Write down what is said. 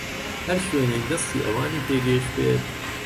هەر شوێنێک دەستی ئەوانی پێگەیشتبێت